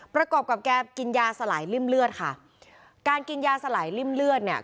ประกอบกับแกกินยาสลายริ่มเลือดค่ะการกินยาสลายริ่มเลือดเนี่ย